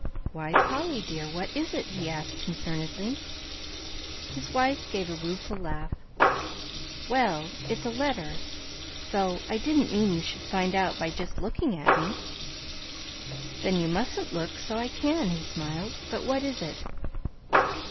"Why, Polly, dear, what is it?" he asked concernedly. His wife gave a rueful laugh. "Well, it's a letter though I didn't mean you should find out by just looking at me." "Then you mustn't look so I can," he smiled. "But what is it?"